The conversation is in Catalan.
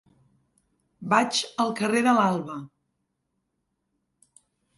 Vaig al carrer de l'Alba.